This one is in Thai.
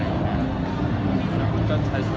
ก็อาจจะใช่ครับ